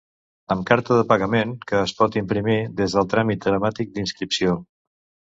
Amb carta de pagament, que es pot imprimir des del tràmit telemàtic d'inscripció.